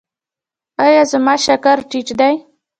ایا زما شکر ټیټ دی؟